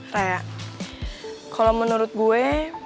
re kalo menurut gue